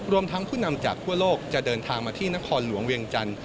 รวมทั้งผู้นำจากทั่วโลกจะเดินทางมาที่นครหลวงเวียงจันทร์